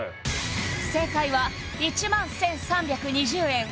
正解は１万１３２０円